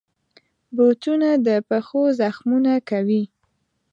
بوټونه د پښو زخمونه کموي.